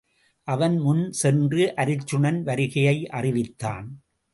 அவன் முன் சென்று அருச்சுனன் வருகையை அறிவித்தான்.